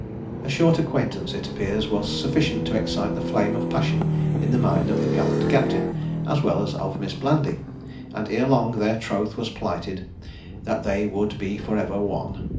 A short acquaintance, it appears, was sufficient to excite the flame of passion in the mind of the gallant captain, as well as of Miss Blandy; and ere long, their troth was plighted, that they would be for ever one.